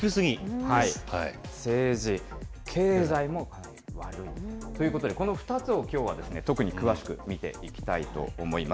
政治、経済も悪いということで、この２つを、きょうは特に詳しく見ていきたいと思います。